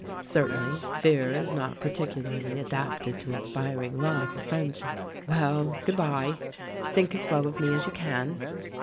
Certainly, fear is not peculiarly adapted to inspiring love or friendship. Well, good bye ! Think as well of me as you can."